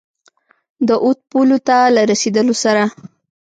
د اود پولو ته له رسېدلو سره.